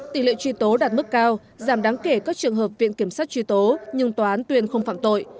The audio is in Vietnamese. tỷ lệ truy tố đạt mức cao giảm đáng kể các trường hợp viện kiểm sát truy tố nhưng tòa án tuyên không phạm tội